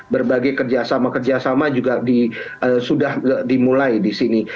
berbagai kerjasama kerjasama juga sudah dimulai di sini